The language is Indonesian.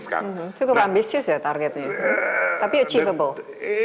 cukup ambisius ya targetnya tapi achievable